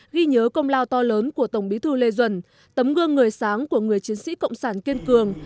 ghi nhớ công lao to lớn của tổng bí thư lê duẩn tấm gương người sáng của người chiến sĩ cộng sản kiên cường